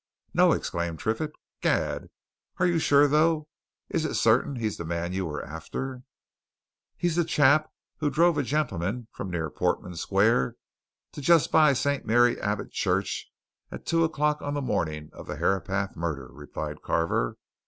"No!" exclaimed Triffitt. "Gad! Are you sure, though? is it certain he's the man you were after?" "He's the chap who drove a gentleman from near Portman Square to just by St. Mary Abbot church at two o'clock on the morning of the Herapath murder," replied Carver.